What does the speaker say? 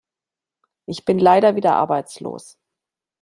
Ich bin leider wieder arbeitslos.